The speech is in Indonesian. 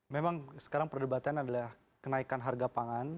memang sekarang perdebatan adalah kenaikan harga pangan